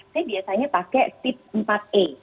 saya biasanya pakai tip empat e